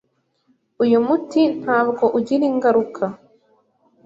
Uyu muti ntabwo ugira ingaruka.